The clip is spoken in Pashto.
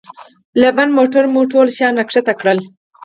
له بند موټره مو ټول شیان را کښته کړل.